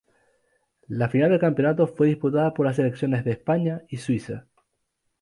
La final del campeonato fue disputada por las selecciones de España y Suiza.